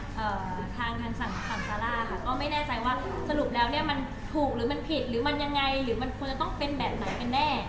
เธอตันสามารถก็ไม่แน่ใจว่าสรุปแล้วเนี่ยมันถูกหรือมันผิดหรือมันยังไงหรือไหนเป็นแบบไหมเป็นแน่